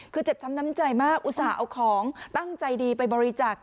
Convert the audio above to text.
คือเจ็บช้ำน้ำใจมากอุตส่าห์เอาของตั้งใจดีไปบริจักษ์